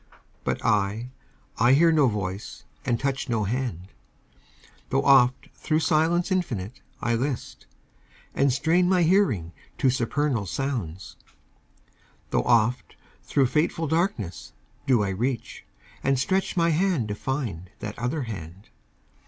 But I I hear no voice and touch no hand, Tho' oft thro' silence infinite I list, And strain my hearing to supernal sounds; Tho' oft thro' fateful darkness do I reach, And stretch my hand to find that other hand.